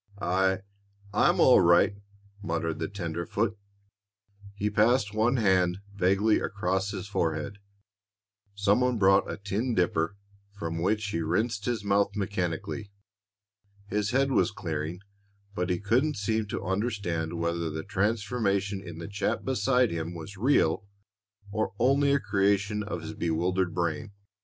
"I I'm all right," muttered the tenderfoot. He passed one hand vaguely across his forehead. Some one brought a tin dipper, from which he rinsed his mouth mechanically. His head was clearing, but he couldn't seem to understand whether the transformation in the chap beside him was real or only a creation of his bewildered brain.